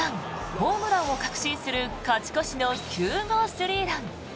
ホームランを確信する勝ち越しの９号スリーラン。